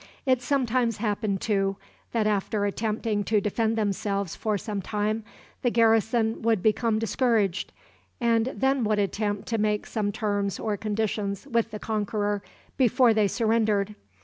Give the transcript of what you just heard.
It sometimes happened, too, that after attempting to defend themselves for some time, the garrison would become discouraged, and then would attempt to make some terms or conditions with the conqueror before they surrendered.